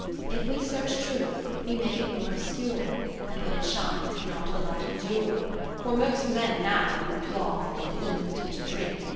If we search Truth, we make it more obscure. And when it shines, cannot the light endure, For most men now, who plod, and eat, and drink.